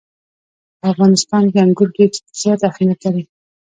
په افغانستان کې انګور ډېر زیات اهمیت لري.